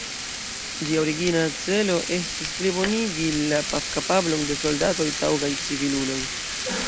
Ĝia origina celo estis plibonigi la paf-kapablon de soldato-taŭgaj civiluloj.